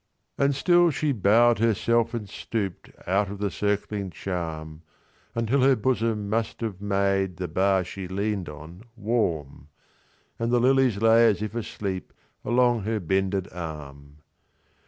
And still she bow'd herself and stoop'dOut of the circling charm; Until her bosom must have madeThe bar she lean'd on warm, And the lilies lay as if asleepAlong her bended arm.